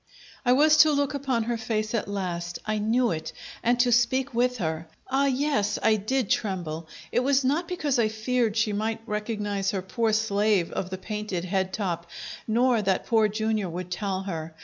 I was to look upon her face at last I knew it and to speak with her. Ah, yes, I did tremble! It was not because I feared she might recognize her poor slave of the painted head top, nor that Poor Jr. would tell her.